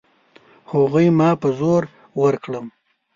هغوی ما په زور ورکړم.